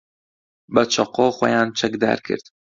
بە چەقۆ خۆیان چەکدار کرد.